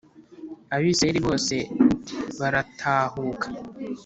A Bisirayeli bose baratahuka